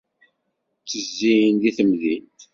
Ttezzin di temdint.